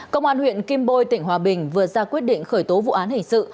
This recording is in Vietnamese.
công an huyện kim bôi tỉnh hòa bình vừa ra quyết định khởi tố vụ án hình sự